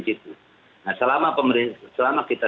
situ nah selama pemerintah selama kita